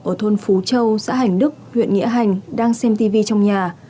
ở thôn phú châu xã hành đức huyện nghĩa hành đang xem tv trong nhà